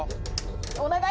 「お願い！